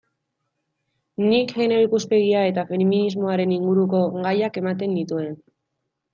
Nik genero ikuspegia eta feminismoaren inguruko gaiak ematen nituen.